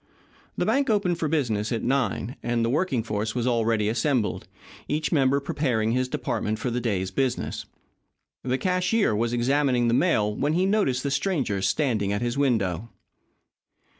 The bank opened for business at nine, and the working force was already assembled, each member preparing his department for the day's business. The cashier was examining the mail when he noticed the stranger standing at his window.